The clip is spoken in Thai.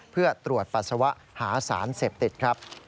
เพื่อตรวจปัสสาวะหาสารเสพติดครับ